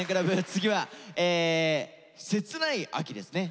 次はえ切ない「秋」ですね。